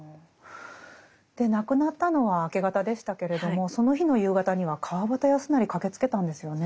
亡くなったのは明け方でしたけれどもその日の夕方には川端康成駆けつけたんですよね。